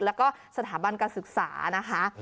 แล้วก็สถาบันการศึกษานะคะ